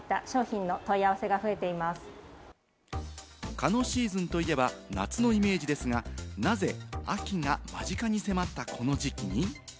蚊のシーズンといえば夏のイメージですが、なぜ秋が間近に迫った、この時期に？